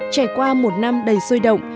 trải qua một năm đầy sôi động